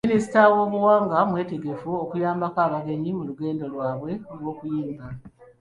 Minisita w'obuwangwa mweteefuteefu okuyambako abagenyi mu lugendo lwabwe olw'okuyimba.